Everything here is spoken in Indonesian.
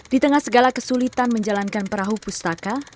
di tengah segala kesulitan menjalankan perahu pustaka